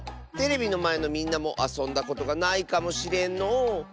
テレビのまえのみんなもあそんだことがないかもしれんのう。